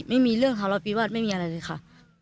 ไม่มีเรื่องหารอบปีวัตรไม่มีอะไรเลยค่ะ